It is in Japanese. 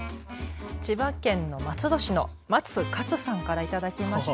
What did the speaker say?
千葉県の松戸市の松かつさんから頂きました。